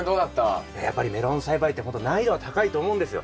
やっぱりメロン栽培って本当難易度は高いと思うんですよ。